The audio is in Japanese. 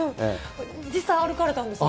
実際、歩かれたんですよね。